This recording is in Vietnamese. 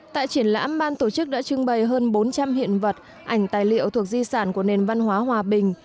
tại triển lãm ban tổ chức đã trưng bày hơn bốn trăm linh hiện vật ảnh tài liệu thuộc di sản của nền văn hóa hòa bình